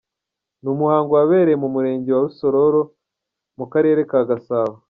Ni umuhango wabereye mu murenge wa Rusororo mu karere ka Gasabo.